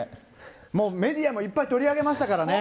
もう、メディアもいっぱい取り上げましたからね。